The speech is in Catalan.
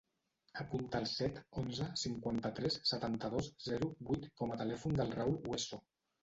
Apunta el set, onze, cinquanta-tres, setanta-dos, zero, vuit com a telèfon del Raül Hueso.